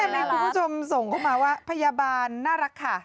คุณผู้ชมส่งเข้ามาว่าพยาบาลน่ารักค่ะ